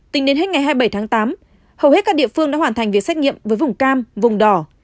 tính đến hết ngày hai mươi bảy tháng tám hầu hết các địa phương đã hoàn thành việc xét nghiệm với vùng cam vùng đỏ